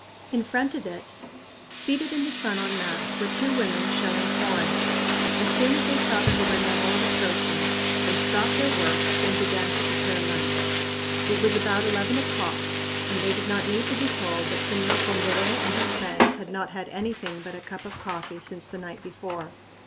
In front of it, seated in the sun on mats, were two women shelling corn. As soon as they saw the gobernador approaching, they stopped their work and began to prepare lunch. It was about eleven o'clock and they did not need to be told that Señor Condoré and his friends had not had anything but a cup of coffee since the night before.